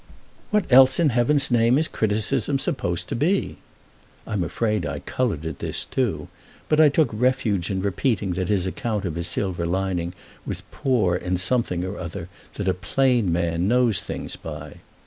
"What else in heaven's name is criticism supposed to be?" I'm afraid I coloured at this too; but I took refuge in repeating that his account of his silver lining was poor in something or other that a plain man knows things by.